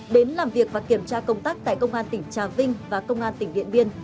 đến làm việc và kiểm tra công tác tại công an tỉnh trà vinh và công an tỉnh điện biên